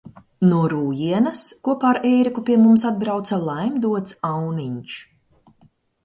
No Rūjienas, kopā ar Ēriku pie mums atbrauca Laimdots Auniņš.